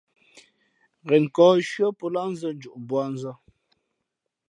Ghen nkᾱᾱ nshʉ̄ᾱ pō lǎh nzᾱ njoʼ mbuānzᾱ.